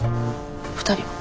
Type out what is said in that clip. ２人は？